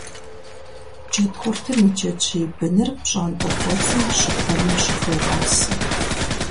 Джэдкъуртым и джэджьей быныр пщӀантӀэ кӀуэцӀым щыпэным щыхуегъасэ.